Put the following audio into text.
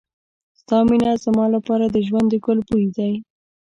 ستا مینه زما لپاره د ژوند د ګل بوی دی.